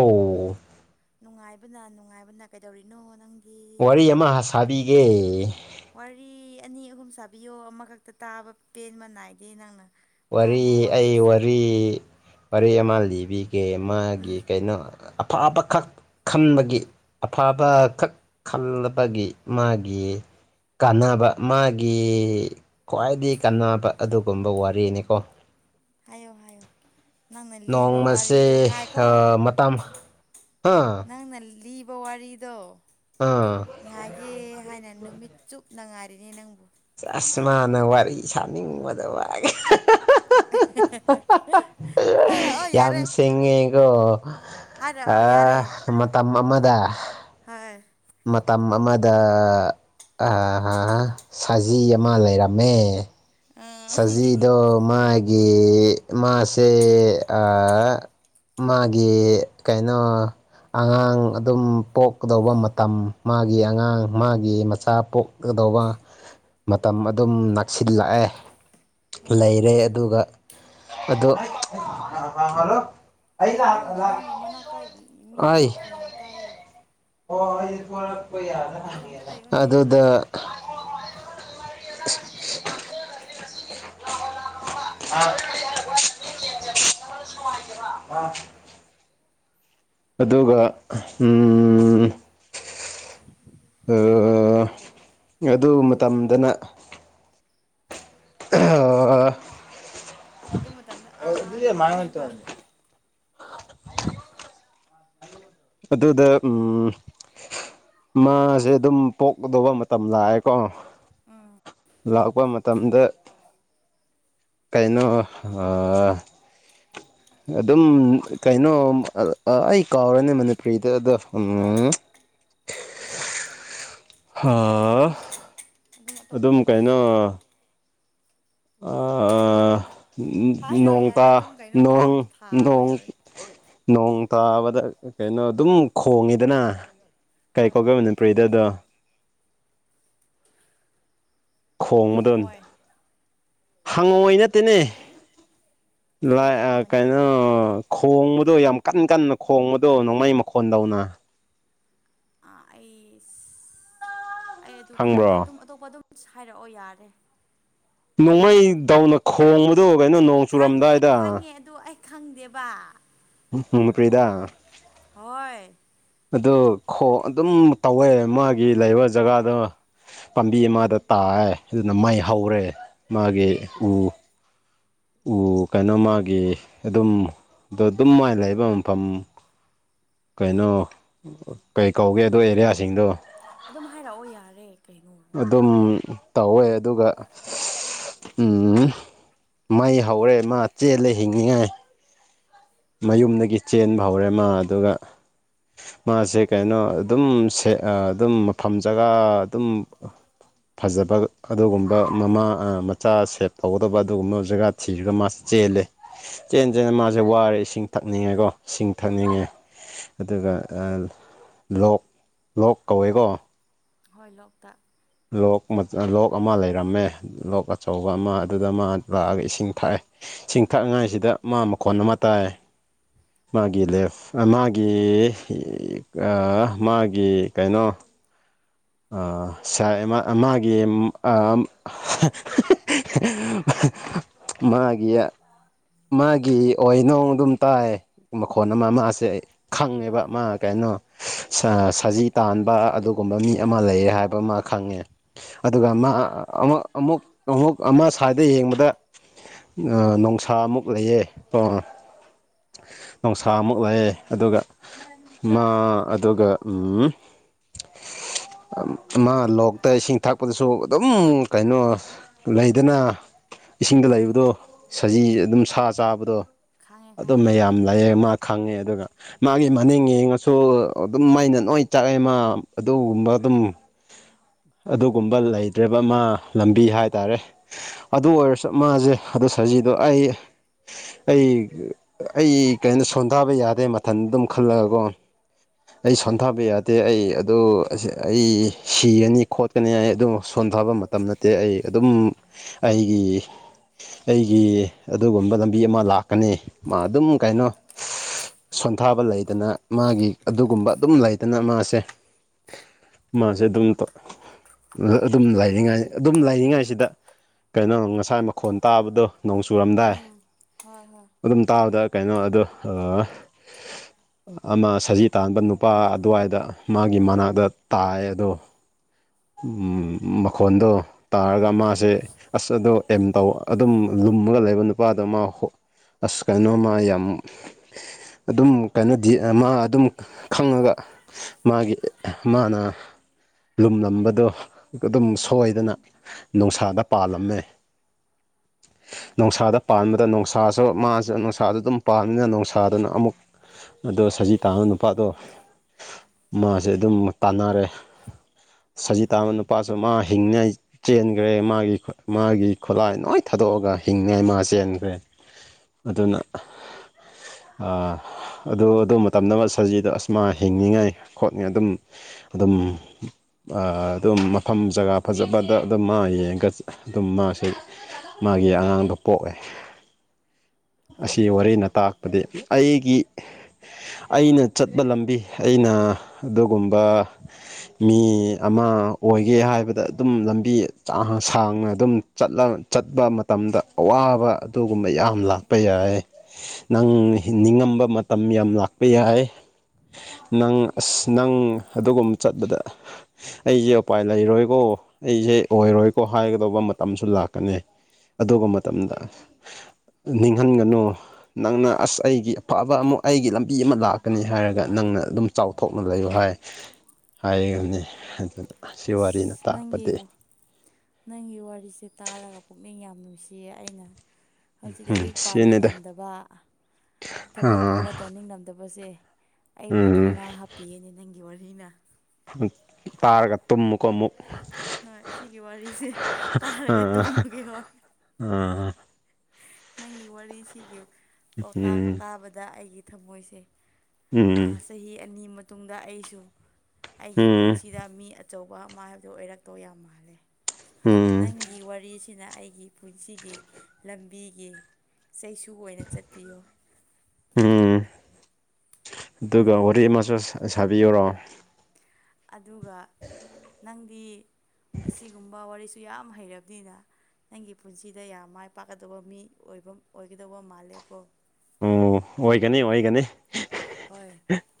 ꯑꯣ ꯅꯨꯡꯉꯥꯏꯕꯅ ꯅꯨꯡꯉꯥꯏꯕꯅ ꯀꯩꯗꯧꯔꯤꯅꯣ ꯅꯪ ꯋꯥꯔꯤ ꯑꯃ ꯁꯥꯕꯤꯒꯦ ꯋꯥꯔꯤ ꯑꯅꯤ ꯑꯍꯨꯝ ꯁꯥꯕꯤꯌꯣ ꯑꯃꯈꯛꯇ ꯁꯥꯕ ꯇꯥꯕ ꯄꯦꯟꯕ ꯅꯥꯏꯗꯦ ꯅꯪꯅ ꯋꯥꯔꯤ ꯉꯥꯡꯕ ꯑꯩ ꯋꯥꯍꯩꯁꯦ ꯋꯥꯔꯤ ꯋꯥꯔꯤ ꯑꯃ ꯂꯤꯕꯤꯒꯦ ꯃꯥꯒꯤ ꯂꯤ ꯀꯩꯅꯣ ꯑꯐꯕꯈꯛ ꯈꯟꯕꯒꯤ ꯑꯐꯕꯈꯛ ꯈꯜꯂꯕꯒꯤ ꯃꯥꯒꯤ ꯀꯥꯟꯅꯕ ꯃꯥꯒꯤ ꯈ꯭ꯋꯥꯏꯗꯒꯤ ꯀꯥꯟꯅꯕ ꯑꯗꯨꯒꯨꯝꯕ ꯋꯥꯔꯤꯅꯤ ꯀꯣ ꯍꯥꯏꯌꯣ ꯍꯥꯏꯌꯣ ꯅꯪꯅ ꯂꯤꯕ ꯅꯣꯡꯃꯁꯦ ꯋꯥꯔꯤꯗꯣ ꯉꯥꯏꯈꯣ ꯃꯇꯝ ꯑꯥ ꯅꯪꯅ ꯂꯤ ꯕꯋꯥꯔꯤꯗꯣ ꯑꯥ ꯉꯥꯏꯒꯦ ꯍꯥꯏꯅ ꯅꯨꯃꯤꯠ ꯆꯨꯞꯅ ꯉꯥꯏꯔꯤꯅꯦ ꯅꯪꯕꯨ ꯆꯦꯁ ꯃꯅꯥ ꯋꯥꯔꯤ ꯁꯥꯅꯤꯡꯕꯗ [unintelligible] ꯍꯥꯏꯔꯛꯑꯣ ꯌꯥꯔꯦ ꯑꯗꯣ ꯍꯥꯏꯔꯛꯑꯣ ꯑ ꯃꯇꯝ ꯑꯃꯗ ꯍ ꯃꯇꯝ ꯑꯃꯗ ꯑ ꯍꯥ ꯁꯖꯤ ꯑꯃ ꯂꯩꯔꯝꯃꯦ ꯎꯝ ꯁꯖꯤꯗꯣ ꯃꯥꯒꯤ ꯃꯥꯁꯦ ꯑꯥ ꯃꯥꯒꯤ ꯀꯩꯅꯣ ꯑꯉꯥꯡ ꯑꯗꯨꯝ ꯄꯣꯛꯀꯗꯧꯕ ꯃꯇꯝ ꯃꯥꯒꯤ ꯑꯉꯥꯡ ꯃꯥꯒꯤ ꯃꯆꯥ ꯄꯣꯛ ꯑꯗꯧꯕ ꯃꯇꯝ ꯑꯗꯨꯝ ꯅꯛꯁꯤꯜꯂꯛꯑꯦ ꯎꯝ ꯂꯩꯔꯦ ꯑꯗꯨꯒ ꯑꯗꯣ ꯍ ꯍ ꯍꯂꯣ ꯀꯩꯅꯣ ꯅꯪ ꯃꯅꯥꯛꯇ ꯃꯤ ꯑꯩ ꯃꯈꯣꯟ ꯌꯥꯝ ꯇꯥꯏꯌꯦ ꯅꯊꯟꯇ ꯂꯩꯌꯨꯅꯦ ꯑꯗꯨꯗ [unintelligible] [unintelligible] [unintelligible] ꯑꯗꯨꯒ ꯎꯃꯝ ꯑꯥ ꯑꯗꯨ ꯃꯇꯝꯗꯅ [unintelligible] ꯑꯗꯨ ꯃꯇꯝꯗ ꯑꯥ ꯑꯗꯨꯗꯤ ꯀꯩꯗꯧꯔꯦ ꯃꯥꯥꯡꯒ ꯇ ꯍꯥꯏꯕ [unintelligible] ꯑꯗꯨꯗ ꯎꯝ ꯃꯥꯖꯦ ꯑꯗꯨꯝ ꯄꯣꯛꯀꯗꯧꯕ ꯃꯇꯝ ꯂꯥꯛꯑꯦꯀꯣ ꯂꯥꯛꯄ ꯃꯇꯝꯗ ꯀꯩꯅꯣ ꯑꯥ ꯑꯗꯨꯝ ꯀꯩꯅꯣ ꯑꯩ ꯀꯥꯎꯔꯦꯅꯦ ꯃꯅꯤꯄꯨꯔꯤꯗ ꯑꯗꯣ ꯎꯝ ꯍꯥ ꯌꯥꯔꯦ ꯑꯗꯨꯝ ꯑꯗꯨꯅ ꯑꯗꯨꯝ ꯇꯣꯞꯄꯗ ꯃꯨꯛ ꯁꯥꯔꯛꯑꯣ ꯑ ꯍꯥꯏꯔꯣ ꯌꯥꯔꯦ ꯅꯣꯡꯇ ꯑꯗꯨꯝ ꯀꯩꯅꯣ ꯅꯣꯡ ꯍꯥꯏꯕꯗꯤ ꯊꯥ ꯑꯃ ꯅꯣꯡ ꯌꯧꯔꯦ ꯅꯣꯡ ꯇꯥꯕꯗ ꯀꯩꯅꯣ ꯑꯗꯨꯝ ꯈꯣꯡꯉꯤꯗꯅ ꯀꯩ ꯍꯣꯏ ꯀꯧꯒꯦ ꯍꯣꯏ ꯃꯅꯤꯄ꯭ꯔꯤꯗ ꯑꯗꯣ ꯈꯣꯡ ꯕꯗꯣ ꯍꯪꯉꯣꯏ ꯍꯪꯉꯣꯏ ꯅꯠꯇꯦꯅꯦ ꯂ ꯀꯔꯤꯔꯣ ꯑꯥ ꯍꯪꯉꯣꯏ ꯅꯠꯇ꯭ꯔꯦ ꯀꯩꯅꯣ ꯈꯣꯡꯕ ꯑꯗꯣ ꯌꯥꯝ ꯀꯟ ꯀꯟꯅ ꯈꯣꯡꯕꯗꯣ ꯅꯣꯡꯃꯩ ꯃꯈꯣꯟꯗꯧꯅ ꯑꯥ ꯑꯩ ꯑꯩ ꯑꯗꯨ ꯈꯪꯗꯦ ꯈꯪꯕ꯭ꯔꯣ ꯑꯗꯨꯝ ꯑꯇꯣꯞꯄ ꯑꯗꯨꯝ ꯍꯥꯏꯔꯛꯑꯣ ꯌꯥꯔꯦ ꯅꯣꯡꯃꯩ ꯗꯧꯅ ꯈꯣꯡꯕꯗꯣ ꯀꯩꯅꯣ ꯅꯣꯡ ꯈꯪꯉꯦ ꯆꯨꯔꯝꯗꯥꯏꯗ ꯈꯪꯉꯦ ꯑꯗꯨ ꯑꯩ ꯈꯪꯗꯦꯕ [unintelligible] ꯍꯣꯏ ꯑꯗꯨ ꯈꯣꯡ ꯑꯗꯨꯝ ꯇꯧꯋꯦ ꯃꯥꯒꯤ ꯂꯩꯕ ꯖꯒꯥꯗꯣ ꯄꯥꯝꯕꯤ ꯑꯃꯗ ꯇꯥꯑꯦ ꯑꯗꯨꯅ ꯃꯩ ꯍꯧꯔꯦ ꯃꯥꯒꯤ ꯎ ꯎ ꯀꯩꯅꯣ ꯃꯥꯒꯤ ꯑꯗꯨꯝ ꯑꯗꯨꯝ ꯃꯥꯏꯅ ꯂꯩꯕ ꯃꯐꯝ ꯀꯩꯅꯣ ꯀꯩ ꯀꯧꯒꯦ ꯑꯗꯨ ꯑꯦꯔꯤꯌꯥꯁꯤꯡꯗꯣ ꯑꯗꯨꯝ ꯍꯥꯏꯔꯛꯑꯣ ꯌꯥꯔꯦ ꯀꯩ ꯑꯗꯨꯝ ꯇꯧꯋꯦ ꯑꯗꯨꯒ ꯎꯝ ꯃꯩ ꯍꯧꯔꯦ ꯃꯥ ꯆꯦꯜꯂꯦ ꯍꯤꯡꯅꯤꯡꯉꯥꯏ ꯃꯌꯨꯝꯗꯒꯤ ꯆꯦꯟꯕ ꯍꯧꯔꯦ ꯃꯥ ꯑꯗꯨꯒ ꯃꯥꯁꯦ ꯀꯩꯅꯣ ꯑꯗꯨꯝ ꯁꯦ ꯑ ꯑꯗꯨꯝ ꯃꯐꯝ ꯖꯒꯥ ꯑꯗꯨꯝ ꯐꯖꯕ ꯑꯗꯨꯒꯨꯝꯕ ꯃꯃꯥ ꯃꯆꯥ ꯁꯦꯞ ꯇꯧꯒꯗꯕ ꯑꯗꯨꯒꯨꯝꯕ ꯖꯒꯥ ꯊꯤꯔꯒ ꯃꯥ ꯆꯦꯜꯂꯦ ꯆꯦꯟ ꯆꯦꯟ ꯅ ꯃꯥꯁꯦ ꯋꯥꯔꯦ ꯏꯁꯤꯡ ꯊꯛꯅꯤꯡꯉꯦꯀꯣ ꯏꯁꯤꯡ ꯊꯛꯅꯤꯡꯉꯦ ꯑꯗꯨꯒ ꯂꯣꯛ ꯂꯣꯛ ꯀꯧꯋꯦꯀꯣ ꯍꯣꯏ ꯂꯣꯛꯇꯥꯛ ꯂꯣꯛ ꯂꯣꯛ ꯑꯃ ꯂꯩꯔꯝꯃꯦ ꯂꯣꯛ ꯑꯆꯧꯕ ꯑꯃ ꯑꯗꯨꯗ ꯑꯃ ꯂꯥꯛꯑꯒ ꯏꯁꯤꯡ ꯊꯥꯛꯑꯦ ꯁꯤꯡ ꯊꯛꯉꯥꯏ ꯁꯤꯗ ꯃꯥ ꯃꯈꯣꯟ ꯑꯃ ꯇꯥꯏ ꯃꯥꯒꯤ ꯂꯦꯐ ꯃꯥꯒꯤ ꯑ ꯃꯥꯒꯤ ꯀꯩꯅꯣ ꯑ ꯁꯥꯏ ꯑꯃ ꯃꯥꯒꯤ ꯑ [unintelligible] ꯃꯥꯒꯤ ꯃꯥꯒꯤ ꯑꯣꯏꯅꯨꯡ ꯑꯗꯨꯝ ꯇꯥꯏ ꯃꯈꯣꯟ ꯑꯃ ꯃꯥꯁꯦ ꯑꯩ ꯈꯪꯉꯦꯕ ꯍꯣꯏ ꯃꯥ ꯀꯩꯅꯣ ꯁꯖꯤ ꯇꯥꯟꯕ ꯑꯗꯨꯒꯨꯝꯕ ꯃꯤ ꯑꯃ ꯂꯩꯌꯦ ꯍꯥꯏꯕ ꯑꯃ ꯈꯪꯉꯦ ꯑꯗꯨꯒ ꯃꯥ ꯑꯃꯨꯛ ꯑꯃꯨꯛ ꯑꯃꯨꯛ ꯑꯃ ꯁꯥꯏꯗꯩ ꯌꯦꯡꯕꯗ‌ ꯑ ꯅꫭꯡꯁꯥ ꯑꯃꯨꯛ ꯂꯩꯌꯦ ꯑꫭ ꯅꯨꯡꯁꯥ ꯑꯃꯨꯛ ꯂꯩꯌꯦ ꯑꯗꯨꯒ ꯃꯥ ꯑꯗꯨꯒ ꯎꯝ ꯑꯃ ꯂꯣꯛꯇ ꯏꯁꯤꯡ ꯊꯛꯄꯗꯁꯨ ꯑꯗꯨꯝ ꯀꯩꯅꯣ ꯂꯩꯗꯅ ꯏꯁꯤꯡꯗ ꯎꯝ ꯂꯩꯕꯗꯣ ꯁꯖꯤ ꯑꯗꯨꯝ ꯁꯥ ꯆꯥꯕꯗꯣ ꯈꯪꯉꯦ ꯑꯗꯨꯝ ꯈꯪꯉꯦ ꯍꯣꯏ ꯃꯌꯥꯝ ꯂꯥꯏꯌꯦ ꯃꯥ ꯈꯪꯉꯦ ꯑꯗꯨꯒ ꯃꯥꯒꯤ ꯃꯅꯤꯡ ꯌꯦꯡꯉꯁꯨ ꯑꯗꯨꯝ ꯃꯩꯅ ꯅꯣꯏ ꯆꯥꯛꯑꯦ ꯃꯥ ꯑꯗꯨꯒꯨꯝꯕ [unintelligible] ꯑꯗꯨꯒꯨꯝꯕ ꯂꯩꯇ꯭ꯔꯦꯕ ꯃꯥ ꯂꯝꯕꯤ ꯍꯥꯏꯇꯥꯔꯦ ꯑꯗꯨ ꯑꯣꯏꯔꯁꯨ ꯃꯥꯖꯦ ꯁꯖꯤꯗꯣ ꯑꯩ ꯑꯩ ꯑꯩ ꯀꯩꯅꯣ ꯁꯣꯟꯗꯕ ꯌꯥꯗꯦ ꯃꯊꯟ ꯑꯗꯨꯝ ꯈꯜꯂꯒꯀꯣ ꯑꯩ ꯁꯣꯟꯊꯥꯕ ꯌꯥꯗꯦ ꯑꯩ ꯑꯗꯨ ꯑꯩ ꯁꯤꯔꯅꯤ ꯈꯣꯠꯀꯅꯤ ꯑꯩ ꯑꯗꯨꯝ ꯁꯣꯟꯗꯕ ꯃꯇꯝ ꯅꯠꯇꯦ ꯑꯩ ꯑꯗꯨꯝ ꯑꯩꯒꯤ [unintelligible] ꯑꯩꯒꯤ ꯑꯗꯨꯒꯨꯝꯕ ꯂꯝꯕꯤ ꯑꯃ ꯂꯥꯛꯀꯅꯤ ꯃꯥ ꯑꯗꯨꯝ ꯀꯩꯅꯣ ꯁꯣꯟꯊꯥꯕ ꯂꯩꯗꯅ ꯃꯥꯒꯤ ꯑꯗꯨꯒꯨꯝꯕ ꯑꯗꯨꯝ ꯂꯩꯗꯅ ꯃꯥꯁꯦ ꯃꯥꯖꯦ ꯑꯗꯨꯝ ꯇꯧ ꯑꯗꯨꯝ ꯂꯩꯔꯤꯉꯥꯏ ꯑꯗꯨꯝ ꯂꯩꯔꯤꯉꯥꯏꯁꯤꯗ ꯀꯩꯅꯣ ꯉꯁꯥꯏ ꯃꯈꯣꯟ ꯇꯥꯕꯗꯣ ꯅꯣꯡ ꯆꯨꯔꯝꯗꯥꯏ ꯎꯝ ꯍꯣꯏ ꯍꯣꯏ ꯑꯗꯨꯝ ꯇꯥꯕꯗ ꯀꯩꯅꯣ ꯑꯗꯣ ꯑ ꯑꯃ ꯁꯖꯤ ꯇꯥꯟꯕ ꯅꯨꯄꯥ ꯑꯗ꯭ꯋꯥꯏꯗ ꯃꯥꯒꯤ ꯃꯅꯥꯛꯇ ꯇꯥꯏꯌꯦ ꯑꯗꯣ ꯎꯝ ꯃꯈꯣꯟꯗꯣ ꯇꯥꯔꯒ ꯃꯥꯁꯦ ꯑꯁ ꯑꯗꯣ ꯑꯦꯝ ꯇꯧ ꯑꯗꯨꯝ ꯂꯨꯝꯃꯒ ꯂꯩꯕ ꯅꯨꯄꯥꯗꯣ ꯃꯥ ꯑꯁ ꯀꯩꯅꯣꯝꯃ ꯌꯥꯝ ꯑꯗꯨꯝ ꯀꯩꯅꯣꯗꯤ ꯃꯥ ꯑꯗꯨꯝ ꯈꯪꯉꯒ ꯃꯥꯒꯤ ꯃꯥꯅ ꯂꯨꯝꯂꯝꯕꯗꯣ ꯑꯗꯨꯝ ꯁꯣꯏꯗꯅ ꯅꫭꯡꯁꯥꯗ ꯄꯥꯜꯂꯝꯃꯦ [unintelligible] ꯅꫭꯡꯁꯥꯗ ꯄꯥꯟꯕꯗ ꯅꫭꯡꯁꯥꯁꯨ ꯃꯥꯖꯨ ꯅꫭꯡꯁꯥꯗ ꯑꯗꯨꯝ ꯄꯥꯟꯕꯅꯤꯅ ꯅꯣꯡꯁꯥꯗꯨꯅ ꯑꯃꯨꯛ ꯑꯗꯣ ꯁꯖꯤ ꯇꯥꯟꯕ ꯅꯨꯄꯥꯗꯣ ꯃꯥꯖꯦ ꯑꯗꯨꯝ ꯇꯥꯟꯅꯔꯦ ꯁꯖꯤ ꯇꯥꯟꯕ ꯅꯨꯄꯥꯁꯨ ꯃꯥ ꯍꯤꯡꯅꯤꯉꯥꯏ ꯆꯦꯟꯒ꯭ꯔꯦ ꯃꯥꯒꯤ ꯃꯥꯒꯤ ꯈꯨꯠꯂꯥꯏ ꯅꫭꯏ ꯊ ꯊꯥꯗꯣꯛꯑꯒ ꯍꯤꯡꯅꯤꯉꯥꯏ ꯃꯥ ꯆꯦꯟꯒ꯭ꯔꯦ ꯑꯗꯨꯅ ꯑ ꯑꯗꯨ ꯑꯗꯨ ꯃꯇꯝꯗ ꯑꯃ ꯁꯖꯤꯗꯣ ꯑꯁ ꯃꯥ ꯍꯤꯡꯅꯤꯡꯉꯥꯏ ꯈꯣꯠ [unintelligible] ꯑꯗꯨꯝ ꯑꯗꯨꯝ ꯑꯗꯨꯝ ꯃꯐꯝ ꯖꯒꯥ ꯐꯖꯕꯗ ꯑꯗꯨꯝ ꯃꯥ ꯌꯦꯡꯒ ꯑꯗꯨꯝ ꯃꯥꯁꯦ ꯃꯥꯒꯤ ꯑꯉꯥꯡꯗꯣ ꯄꯣꯛꯑꯦ ꯑꯣ ꯑꯁꯤ ꯋꯥꯔꯤꯅ ꯇꯥꯛꯄꯗꯤ ꯑꯩꯒꯤ ꯑꯩꯅ ꯆꯠꯄ ꯂꯝꯕꯤ ꯑꯩꯅ ꯑꯗꯨꯒꯨꯝꯕ ꯃꯤ ꯑꯃ ꯑꯣꯏꯒꯦ ꯍꯥꯏꯕꯗ ꯑꯗꯨꯝ ꯂꯝꯕꯤ [unintelligible] ꯁꯥꯡꯅ ꯑꯗꯨꯝ ꯆꯠꯂ ꯆꯠꯄ ꯃꯇꯝꯗ ꯑꯋꯥꯕ ꯑꯗꯨꯒꯨꯝꯕ ꯌꯥꯝ ꯂꯥꯛꯄ ꯌꯥꯏ ꯅꯪ ꯍꯤꯡ ꯇꯝꯕ ꯃꯇꯝ ꯌꯥꯝ ꯂꯥꯛꯄ ꯌꯥꯏ ꯅꯪ ꯑꯁ ꯅꯪ ꯑꯗꯨꯒꯨꯝꯕ ꯆꯠꯄꯗ ꯑꯩꯖꯦ ꯎꯄꯥꯏ ꯂꯩꯔꯣꯏꯀꯣ ꯑꯩꯖꯦ ꯑꯣꯏꯔꯣꯏꯀꯣ ꯍꯥꯏꯒꯗꯧꯕ ꯃꯇꯝꯁꯨ ꯂꯥꯛꯀꯅꯤ ꯑꯗꯨꯒ ꯃꯇꯝꯗ ꯅꯤꯡꯍꯟꯒꯅꯨ ꯅꯪꯅ ꯑꯁ ꯑꯩꯒꯤ ꯑꯐꯕ ꯑꯃꯨꯛ ꯑꯩꯒꯤ ꯂꯝꯕꯤ ꯑꯃ ꯂꯥꯛꯀꯅꯤ ꯍꯥꯏꯔꯒ ꯅꯪ ꯅ ꯑꯗꯨꯝ ꯆꯥꯎꯊꯣꯛꯅ ꯂꯩꯌꯨ ꯍꯥꯏ ꯍꯥꯏꯒꯅꯤ ꯑꯗꯨ ꯁꯤ ꯋꯥꯔꯤꯅ ꯑꯁ ꯅꯪꯒꯤ ꯇꯥꯛꯄꯗꯤ ꯅꯪꯒꯤ ꯋꯥꯔꯤꯁꯦ ꯇꯥꯔꯒ ꯄꯨꯛꯅꯤꯡ ꯌꯥꯝ ꯅꯨꯡꯁꯤꯌꯦ ꯑꯩꯅ ꯍꯧꯖꯤꯛ ꯎꯝ ꯂꯩꯔꯤꯛ ꯁꯤꯅꯤꯗ ꯄꯥꯅꯤꯡꯔꯝꯗꯕꯥ ꯊꯕꯛꯀꯨꯝꯕ ꯑꯥ ꯇꯧꯅꯤꯡꯂꯝꯝꯗꯕꯁꯦ ꯑꯩꯕꯨ ꯎꯝ ꯊꯧꯅꯥ ꯍꯥꯞꯄꯤꯌꯦꯅꯦ ꯅꯪꯒꯤ ꯒꯤ ꯋꯥꯔꯤꯅ [unintelligible] ꯇꯥꯔꯒ ꯇꯨꯝꯃꯨꯀꯣ ꯑꯃꯨꯛ ꯍꯣꯏ ꯁꯤꯒꯤ ꯋꯥꯔꯤꯁꯦ ꯇꯥꯔꯒ ꯑꯥ ꯇꯨꯝꯃꯒꯦ ꯍꯣꯏ ꯑꯥ ꯅꯪꯒꯤ ꯋꯥꯔꯤꯁꯤꯒꯤ ꯄꯥꯎꯇꯥꯛ ꯎꯝ ꯇꯥꯕꯗ ꯑꯩꯒꯤ ꯊꯃꯣꯏꯁꯦ ꯎꯝ ꯑꯥ ꯆꯍꯤ ꯑꯅꯤ ꯃꯇꯨꯡꯗ ꯑꯩꯁꯨ ꯑꯩꯒꯤ ꯎꯝ ꯄꯨꯟꯁꯤꯗ ꯃꯤ ꯑ ꯑꯆꯧꯕ ꯑꯃ ꯍꯥꯏꯕꯗꯨꯣ ꯑꯣꯏꯔꯛꯇꯣꯏ ꯌꯥꯝ ꯃꯥꯜꯂꯦ ꯎꯝ ꯅꯪꯒꯤ ꯋꯥꯔꯤꯁꯤꯅ ꯑꯩꯒꯤ ꯄꯨꯟꯁꯤꯒꯤ ꯂꯝꯕꯤꯒꯤ ꯆꯩꯁꯨ ꯑꯣꯏꯅ ꯆꯠꯄꯤꯌꯣ ꯗꯨꯒ ꯋꯥꯔꯤ ꯑꯃꯁꯨ ꯁꯥ ꯁꯥꯕꯤꯌꯨꯔꯣ ꯗꯤ ꯑꯁꯤꯒꯨꯝꯕ ꯋꯥꯔꯤꯁꯨ ꯌꯥꯝ ꯍꯩꯔꯕꯅꯤꯅ ꯅꯪꯒꯤ ꯄꯨꯟꯁꯤꯗ ꯌꯥꯝ ꯃꯥꯏ ꯄꯥꯛꯀꯗꯕ ꯃꯤꯕ ꯑꯣꯏꯕꯝ ꯑꯣꯏꯒꯗꯧꯕ ꯃꯥꯜꯂꯦꯀꯣ ꯎꯝ ꯑꯣꯏꯒꯅꯤ ꯑꯣꯏꯒꯅꯤ ꯍꯣꯏ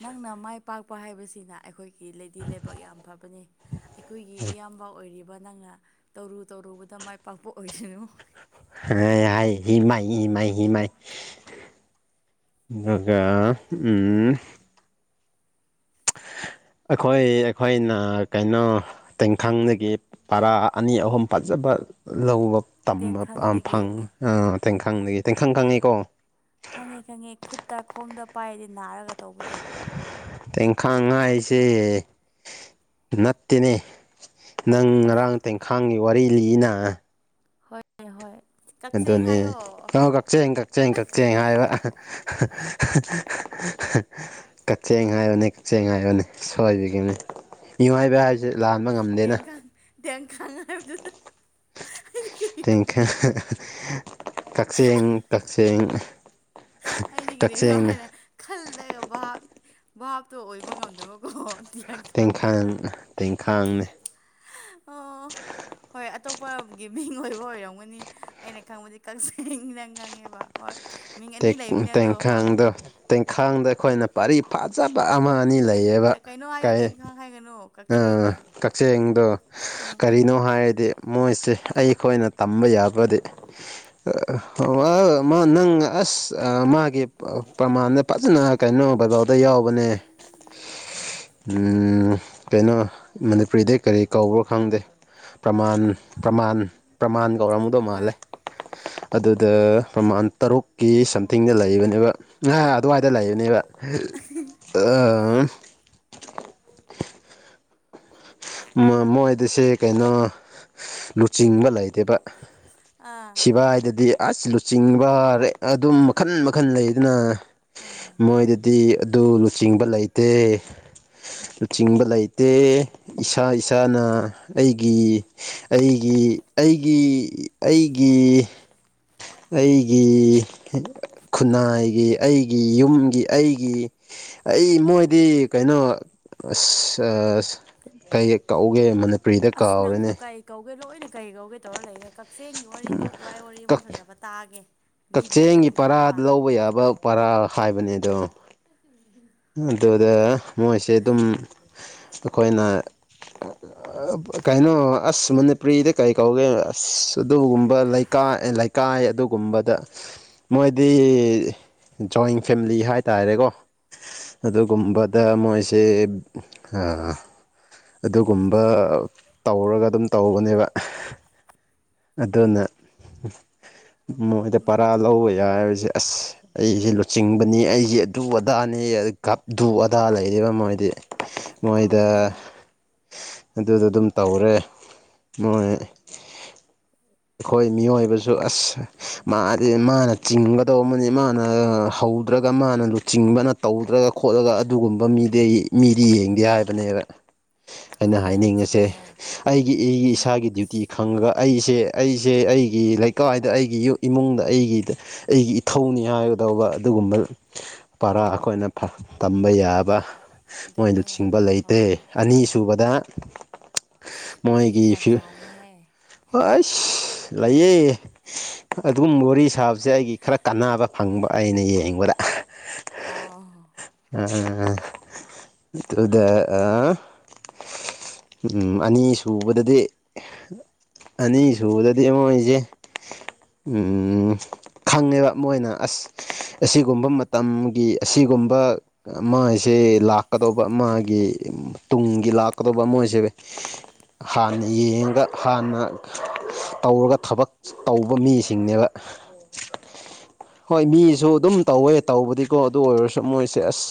ꯅꯪꯅ ꯃꯥꯏ ꯄꯥꯛꯄ ꯍꯥꯏꯕꯁꯤꯅ ꯑꯩꯈꯣꯏꯒꯤ ꯂꯦꯗꯤ ꯂꯦꯕꯥꯛ ꯌꯥꯝ ꯐꯕꯅꯦ ꯑꯩꯈꯣꯏꯒꯤ ꯏꯌꯥꯝꯕ ꯑꯣꯏꯔꯤꯕ ꯅꯪꯅ ꯇꯧꯔꯨ ꯇꯧꯔꯨꯕꯗ ꯃꯥꯏ ꯄꯥꯛꯄ ꯑꯣꯏꯁꯅꯨ ꯍ [unintelligible] ꯍꯥꯏ ꯍꯤꯃꯥꯏ ꯍꯤꯃꯥꯏ ꯍꯤꯃꯥꯏ ꯗꯨꯒꯥ ꯎꯝꯍ [unintelligible] ꯑꯈꯣꯏ ꯑꯩꯈꯣꯏꯅ ꯀꯩꯅꯣ ꯇꯦꯡꯈꯪꯗꯒꯤ ꯄꯔꯥ ꯑꯅꯤ ꯑꯍꯨꯝ ꯐꯖꯕ ꯕ ꯂꯧꯕ ꯇꯝꯕ ꯑꯝ ꯇꯦꯡꯈꯪꯗꯒꯤ ꯐꯪ ꯑꯥ ꯇꯦꯡꯈꯪꯗꯒꯤ ꯇꯦꯡꯈꯪ ꯈꯪꯉꯦꯀꯣ ꯈꯪꯉꯦ ꯈꯪꯉꯦ ꯈꯨꯠꯇ ꯈꯣꯡꯗ ꯄꯥꯏꯔꯗꯤ ꯅꯥꯔꯒ ꯇꯧꯕꯗꯣ ꯇꯦꯡꯈꯥꯡ ꯉꯥꯏꯁꯦ ꯅꯠꯇꯦꯅꯦ ꯅꯪ ꯉꯔꯥꯡ ꯇꯦꯡꯈꯥꯡꯒꯤ ꯋꯥꯔꯤ ꯂꯤꯏꯅꯥ ꯍꯣꯏ ꯍꯣꯏ ꯀꯛꯆꯦꯡ ꯑꯗꯨꯅꯦ ꯍꯥꯏꯌꯣ ꯑꯣ ꯀꯛꯆꯦꯡ ꯀꯛꯆꯦꯡ ꯀꯛꯆꯦꯡ ꯍꯥꯏꯕ ꯑꯥꯍ [unintelligible] ꯀꯛꯆꯦꯡ ꯍꯥꯏꯕꯅꯦ ꯀꯛꯆꯦꯡ ꯍꯥꯏꯕꯅꯦ ꯁꯣꯏꯕꯒꯤꯅꯤ ꯃꯤꯑꯣꯏꯕ ꯍꯥꯏꯁꯦ ꯂꯥꯟꯕ ꯉꯝꯗꯦꯅꯥ ꯇꯦꯡꯈꯪ [unintelligible] ꯀꯔꯤꯔꯣ ꯇꯦꯡꯈꯪ ꯍ ꯍ ꯀꯛꯆꯦꯡ ꯀꯛꯆꯦꯡ ꯑꯩꯗꯤ ꯀꯔꯤꯅꯣ ꯀꯛꯆꯦꯡꯅ ꯍꯥꯏꯅ ꯈꯜ ꯂꯩꯔ ꯚꯥꯞ ꯚꯥꯞꯇꯣ ꯑꯣꯏꯕ ꯉꯝꯗꯕꯀꯣꯍ ꯇꯦꯡꯈꯪ ꯇꯦꯡꯈꯥꯡꯅꯦ ꯑꯣ ꯍꯣꯏ ꯑ ꯑꯇꯣꯞꯄꯒꯤ ꯃꯤꯡ ꯑꯣꯏꯕ ꯑꯣꯏꯔꯝꯒꯅꯤ ꯑꯩꯅ ꯈꯪꯕꯗꯤ ꯀꯛꯆꯦꯡꯗꯪ ꯉꯪꯉꯦꯕ ꯍꯣꯏ ꯃꯤꯡ ꯑꯅꯤ ꯇꯦꯛ ꯎꯝ ꯂꯩꯕꯅꯦ ꯑꯗꯣ ꯍꯣꯏ ꯇꯦꯡꯈꯪꯗꯣ ꯇꯦꯡꯈꯪꯗꯣ ꯑꯈꯣꯏꯅ ꯄꯥꯔꯤ ꯐꯥꯖꯕ ꯑꯃꯥ ꯑꯅꯤ ꯂꯩꯌꯦꯕꯥ ꯀꯩꯅꯣ ꯍꯥꯏꯌꯣ ꯀꯩ ꯇꯦꯡꯈꯥꯡ ꯍꯥꯏꯒꯅꯨ ꯑꯥꯍ ꯀꯛꯆꯦꯡꯅꯤ ꯀꯛꯆꯦꯡꯗꯣ ꯎꯝ ꯀꯔꯤꯅꯣ ꯍꯥꯏꯔꯗꯤ [unintelligible] ꯃꯣꯏꯁꯦ ꯑꯩꯈꯣꯏꯅ ꯇꯝꯕ ꯌꯥꯕꯗꯤ ꯑꯑꯍ [unintelligible] ꯃꯥ ꯅꯪ ꯅꯥ ꯑꯁ ꯑꯥ ꯃꯥꯒꯤ ꯄ꯭ꯔꯃꯥꯟꯗ ꯐꯖꯅ ꯀꯩꯅꯣ ꯕꯥꯏꯕꯜ ꯌꯥꯎꯕꯅꯦ [unintelligible] ꯀꯩꯅꯣ ꯃꯅꯤꯄꯨꯔꯤꯗꯩ ꯀꯔꯤ ꯀꯧꯕꯔ ꯈꯪꯗꯦ ꯄ꯭ꯔꯃꯥꯟ ꯄ꯭ꯔꯃꯥꯟ ꯄ꯭ꯔꯃꯥꯟ ꯇꯧꯔꯝꯃꯗꯧ ꯍꯣꯏ ꯃꯥꯜꯂꯦ ꯑꯗꯨꯗ ꯄ꯭ꯔꯃꯥꯟ ꯇꯔꯨꯛꯀꯤ ꯁꯝꯊꯤꯡꯗ ꯂꯩꯕꯅꯦꯕ ꯑ ꯑꯗꯨꯋꯥꯏꯗ ꯂꯩꯕꯅꯦꯕ [unintelligible] ꯃꯣꯏꯗꯁꯦ ꯀꯩꯅꯣ ꯂꯨꯆꯤꯡꯕ ꯂꯩꯇꯦꯕ ꯑꯥ ꯁꯤꯕꯥꯏꯗꯗꯤ ꯑꯁ ꯂꯨꯆꯤꯡꯕ ꯑꯗꯨꯝ ꯃꯈꯜ ꯃꯈꯜ ꯂꯩꯗꯅ ꯑꯥ ꯂꯩꯕꯅꯤ ꯃꯣꯏꯗꯥꯗꯤ ꯑꯗꯨ ꯆꯤꯡꯕ ꯂꯩꯇꯦ ꯂꯨꯆꯤꯡꯕ ꯂꯩꯇꯦ ꯏꯁꯥ ꯏꯁꯥꯅ ꯑꯩꯒꯤ ꯑꯩꯒꯤ ꯑꯩꯒꯤ ꯑꯩꯒꯤ ꯏ ꯑꯩꯒꯤ ꯈꯨꯟꯅꯥꯏꯒꯤ ꯑꯩꯒꯤ ꯌꯨꯝꯒꯤ ꯑꯩꯒꯤ ꯑꯩ ꯃꯣꯏꯗꯤ ꯀꯩꯅꯣ ꯑꯁ ꯑꯁ ꯀꯩ ꯀꯧꯒꯦ ꯃꯅꯤ ꯑꯁ ꯅꯪꯁꯨ ꯀꯩ ꯀꯧꯒꯦ ꯂꯣꯏꯅ ꯀꯩ ꯀꯧꯒꯦ ꯇꯧꯔ ꯂꯩꯔꯦ ꯀꯛꯆꯦꯡꯒꯤ ꯋꯥꯔꯤ ꯇꯣꯛꯈ꯭ꯔꯣ ꯑꯩ ꯋꯥꯔꯤ ꯑꯃ ꯐꯖꯕ ꯇꯥꯏ ꯇꯥꯒꯦ ꯂꯤꯕꯤꯒꯦ ꯀꯛꯆꯦꯡꯒꯤ ꯅꯪꯒꯤ ꯄꯔꯥ‌ ꯑꯃ ꯂꯧꯕ ꯌꯥꯕ ꯄꯔꯥꯔ ꯍꯥꯏꯕꯅꯤꯗꯣ ꯑꯗꯨꯗ ꯃꯣꯏꯁꯦ ꯗꯨꯝ ꯑꯈꯣꯏꯅ ꯀꯩꯅꯣ ꯑꯁ ꯃꯅꯤꯄꯨꯔꯤꯗ ꯀꯔꯤ ꯀꯧꯒꯦ ꯑꯁ ꯑꯗꯨꯒꯨꯝꯕ ꯂꯩꯀꯥꯏ ꯂꯩꯀꯥꯏ ꯑꯩ ꯑꯗꯨꯒꯨꯝꯕꯗ ꯃꯣꯏꯗꯤ ꯖꯣꯏꯟ ꯐꯦꯃꯤꯂꯤ ꯍꯥꯏꯇꯥꯔꯦꯀꯣ ꯑꯗꯨꯒꯨꯝꯕꯗ ꯃꯣꯏꯁꯦ [unintelligible] ꯑꯗꯨꯒꯨꯝꯕ ꯇꯧꯔꯒ ꯑꯗꯨꯝ ꯇꯧꯕꯅꯦꯕ ꯑꯗꯨꯅ ꯃꯣꯏꯗ ꯎꯝ ꯄꯔꯥ ꯂꯧꯕ ꯌꯥꯏ ꯑꯁ ꯑꯩꯁꯦ ꯂꯨꯆꯤꯡꯕꯅꯤ ꯑꯩꯁꯦ ꯑꯗꯨ ꯑꯗꯥꯅꯤ ꯒꯞꯗꯨ ꯑꯗꯥ ꯂꯩꯌꯦꯕꯥ ꯃꯣꯏꯗꯤ ꯃꯣꯏꯗ ꯇꯧꯕꯅꯤ ꯍꯣꯏ ꯑꯗꯨ ꯗꯨꯝ ꯇꯧꯔꯦ ꯃꯣꯏ ꯑꯩꯈꯣꯏ ꯃꯤꯑꯣꯏꯕꯁꯨ ꯑꯁ ꯃꯥꯗꯤ ꯃꯥꯅ ꯆꯤꯡꯒꯗꯧꯕꯅꯤ ꯃꯥꯅ ꯍꯧ [unintelligible] ꯃꯥꯅ ꯂꯨꯆꯤꯡꯕꯅ ꯇꯧꯗ꯭ꯔꯒ ꯈꯣꯠꯂꯒ ꯑꯗꯨꯒꯨꯝꯕ ꯃꯤꯗꯤ ꯃꯤꯗꯤ ꯌꯦꯡꯗꯦ ꯍꯥꯏꯕꯅꯦꯕ ꯑꯩꯅ ꯑꯗꯣ ꯌꯥꯝ ꯍꯥꯏꯅꯤꯡꯉꯤꯁꯦ ꯆꯨꯝꯃꯦ ꯍꯣꯏ ꯑꯩꯒꯤ ꯏꯒꯤ ꯑꯗꯨꯅ ꯏꯁꯥꯒꯤ ꯗ꯭ꯌꯨꯇꯤ ꯑꯁ ꯈꯪꯑꯒ ꯑꯩꯁꯦ ꯑꯩꯁꯦ ꯑꯩꯒꯤ ꯂꯩꯀꯥꯏꯗ ꯑꯩꯒꯤ ꯏꯃꯨꯡꯗ ꯑꯩꯒꯤꯗ ꯑꯩꯒꯤ ꯏꯊꯧꯅꯤ ꯍꯥꯏ ꯗꯧꯕ ꯑꯗꯨꯒꯨꯝꯕ ꯄꯔꯥ ꯑꯈꯣꯏꯅ ꯇꯝꯕ ꯌꯥꯕ ꯃꯣꯏ ꯑꯗꯨꯅꯦ ꯂꯨꯆꯤꯡꯕ ꯂꯩꯇꯦ ꯍꯣꯏ ꯁꯨꯕꯗ ꯑꯁ ꯋꯥꯔꯤꯗꯤ ꯃꯣꯏꯒꯤ ꯌꯥꯝ ꯁꯥꯡꯉꯦꯍꯦ ꯐꯌꯨ--ꯑꯁ ꯂꯩꯌꯦ ꯑꯗꯨꯝ ꯋꯥꯔꯤ ꯁꯥꯕꯁꯦ ꯑꯩꯒꯤ ꯈꯔ ꯀꯥꯟꯅꯕ ꯐꯪꯕ ꯑꯩꯅ ꯌꯦꯡꯕꯗ ꯑꯥ [unintelligible] ꯎꯝ ꯑꯅꯤ ꯁꯨꯕꯗꯗꯤ ꯑꯅꯤ ꯁꯨꯕꯗꯗꯤ ꯃꯣꯏꯁꯦ ꯎꯝ ꯈꯪꯉꯦꯕ ꯃꯣꯏꯅ ꯑꯁ ꯑꯁꯤꯒꯨꯝꯕ ꯃꯇꯝꯒꯤ ꯑꯁꯤꯒꯨꯝꯕ ꯃꯥꯏꯁꯦ ꯑꯦ ꯂꯥꯛꯀꯗꯧꯕ ꯃꯥꯒꯤ ꯇꯨꯡꯒꯤ ꯂꯥꯛꯀꯗꯧꯕ ꯃꯣꯏꯁꯦ ꯍꯥꯟꯅ ꯌꯦꯡꯉꯒ ꯍꯥꯟꯅ ꯇꯧꯔꯒ ꯊꯕꯛ ꯇꯧꯕ ꯃꯤꯁꯤꯡꯅꯦꯕ ꯍꯣꯏ ꯃꯤꯁꯨ ꯑꯗꯨꯝ ꯇꯧꯋꯦ ꯇꯧꯕꯗꯤꯀꯣ ꯑꯗꯨ ꯑꯣꯏꯔꯁꯨ ꯃꯣꯏꯁꯦ ꯑꯁ